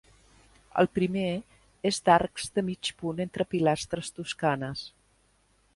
El primer és d'arcs de mig punt entre pilastres toscanes.